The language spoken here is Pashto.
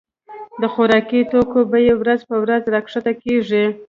د خوراکي توکو بيي ورځ په ورځ را کښته کيږي.